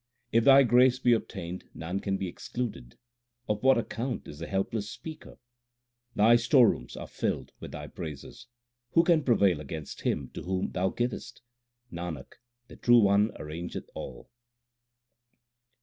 If Thy grace be obtained none can be excluded ; Of what account is the helpless speaker ? Thy storerooms are filled with Thy praises. Who can prevail against him to whom Thou givest ? Nanak, the True One arrangeth all.